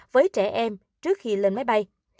với trẻ em trước khi lên máy bay